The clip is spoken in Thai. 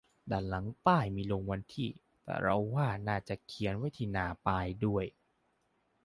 ด้านหลังป้ายมีลงวันที่ แต่เราว่าน่าจะเขียนไว้ที่หน้าป้ายด้วย